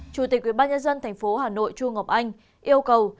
chủ tịch quyên bác nhân dân tp hà nội trung ngọc anh yêu cầu